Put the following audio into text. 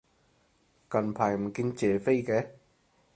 近排唔見謝飛嘅